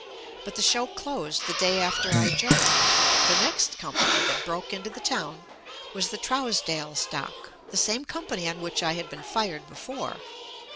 But the show closed the day after I joined. The next company that broke into the town was, "The Trousdale Stock," the same com pany on which I had been fired before.